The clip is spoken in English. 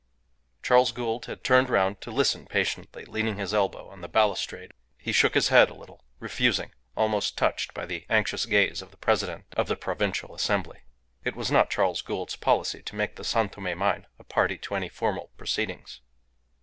Charles Gould had turned round to listen patiently, leaning his elbow on the balustrade. He shook his head a little, refusing, almost touched by the anxious gaze of the President of the Provincial Assembly. It was not Charles Gould's policy to make the San Tome mine a party to any formal proceedings.